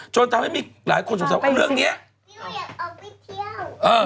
จนทำให้มีหลายคนสงสัมพันธ์เรื่องนี้